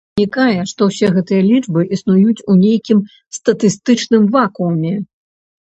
Вынікае, што ўсе гэтыя лічбы існуюць у нейкім статыстычным вакууме.